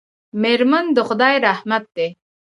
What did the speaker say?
میرمن د خدای رحمت دی.